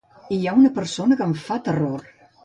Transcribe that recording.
Hi ha una persona que em fa terror.